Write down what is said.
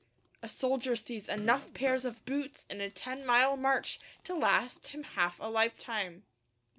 A soldier sees enough pairs of boots in a ten mile march to last him half a lifetime.